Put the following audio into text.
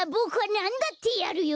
なんだってやるよ！